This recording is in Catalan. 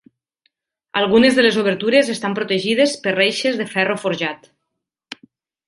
Algunes de les obertures estan protegides per reixes de ferro forjat.